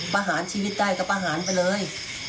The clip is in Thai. ประหารชีวิตได้ก็ประหารไปเลย